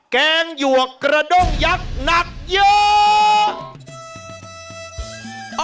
แกงหยวกกระด้งยักษ์หนักเยอะ